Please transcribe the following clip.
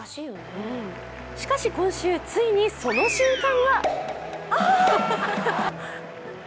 しかし今週、ついにその瞬間が！